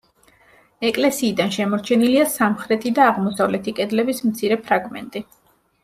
ეკლესიიდან შემორჩენილია სამხრეთი და აღმოსავლეთი კედლების მცირე ფრაგმენტი.